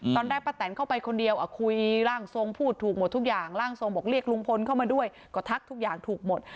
ป้าแตนเข้าไปคนเดียวคุยร่างทรงพูดถูกหมดทุกอย่างร่างทรงบอกเรียกลุงพลเข้ามาด้วยก็ทักทุกอย่างถูกหมด